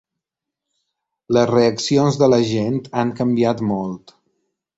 Les reaccions de la gent han canviat molt.